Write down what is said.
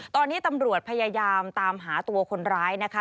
ตอนนี้ตำรวจพยายามตามหาตัวคนร้ายนะคะ